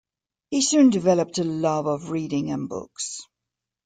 He soon developed a love of reading and books.